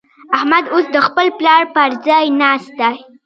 احمد اوس د خپل پلار پر ځای ناست دی.